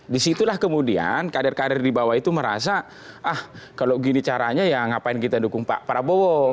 disitulah kemudian kader kader di bawah itu merasa ah kalau gini caranya ya ngapain kita dukung pak prabowo